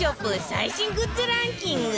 最新グッズランキング